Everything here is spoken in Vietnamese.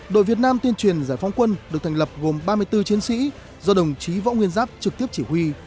đội việt nam tuyên truyền giải phóng quân được thành lập gồm ba mươi bốn chiến sĩ do đồng chí võ nguyên giáp trực tiếp chỉ huy